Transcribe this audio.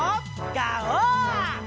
ガオー！